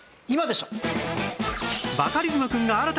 『今でしょ』。